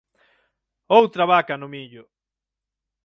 Outra vaca no millo